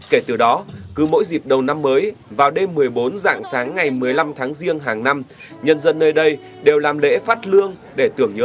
kể từ đó cứ mỗi dịp đầu năm mới vào đêm một mươi bốn dạng sáng ngày một mươi năm tháng riêng hàng năm nhân dân nơi đây đều làm lễ phát lương để tưởng nhớ